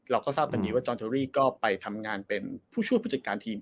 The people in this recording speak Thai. เราก็ทราบกันดีว่าจอนเชอรี่ก็ไปทำงานเป็นผู้ช่วยผู้จัดการทีม